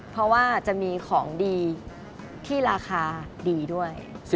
เพราะว่าจะมีของดีที่ราคาดีด้วย